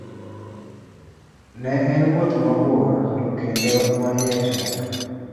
Ne en wuoth mabor to kendo ma iye tek